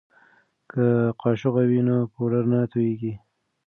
که قاشغه وي نو پوډر نه توییږي.